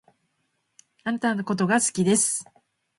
あなたのことが好きです